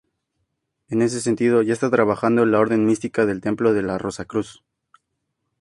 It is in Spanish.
En ese sentido ya está trabajando la Orden Mística del Templo de la Rosacruz.